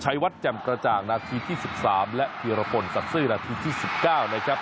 ชายวัทย์แจ่มกระจ่างนาทีที่๑๓และเฮราคลศักดิ์สัตว์สั้นสื่อหานาทีที่๑๙นะครับ